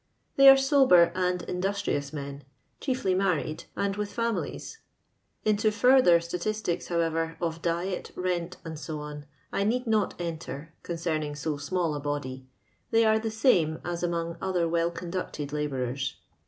They are sober and industrious men, chiefly married, and with families. Into further statistics, however, of diet, rent, &c., I need not enter, concerning so small a body ; they are the same as among other well conducted labourers.